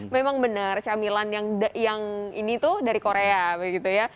memang benar camilan yang ini tuh dari korea begitu ya